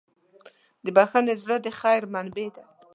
د بښنې زړه د خیر منبع ده.